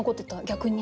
逆に。